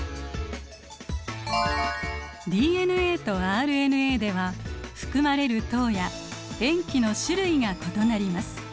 ＤＮＡとＲＮＡでは含まれる糖や塩基の種類が異なります。